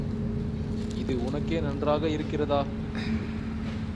இது உனக்கே நன்றாக இருக்கிறதா?